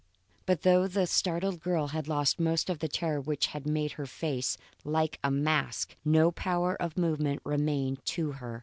But though the startled girl had lost none of the terror which had made her face like a mask, no power of movement remained to her.